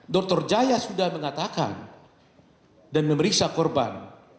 dr jaya sudah mengatakan dan memeriksa korban